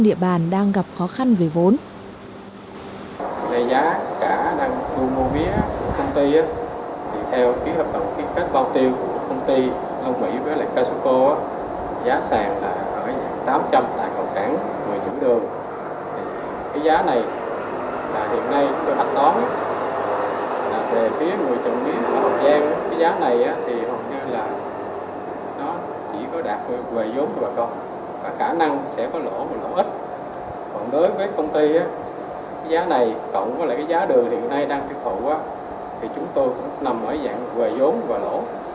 thì chúng tôi cũng nằm ở dạng về vốn và lỗ